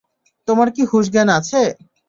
তোমার কি হুঁশ জ্ঞান আছে?